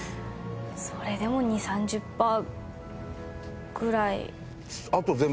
それでも２０３０パーぐらい。